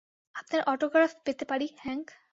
আপনার অটোগ্রাফ পেতে পারি, হ্যাংক?